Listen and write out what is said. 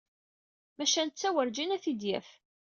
Maca netta werjin ad t-id-yaf.